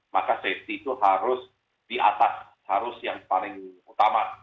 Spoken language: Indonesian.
maka safety itu harus di atas harus yang paling utama